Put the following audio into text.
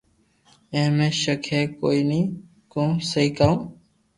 اي مي ݾڪ ھي ڪوئي ني ڪو سھي ڪاو